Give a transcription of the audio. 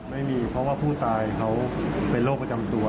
ไม่มีเพราะว่าผู้ตายเขาเป็นโรคประจำตัว